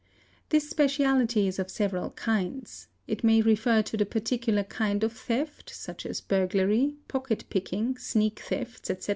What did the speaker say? This speciality is of several kinds, it may refer to the particular kind _ of theft such as burglary, pocket picking, sneak thefts, etc.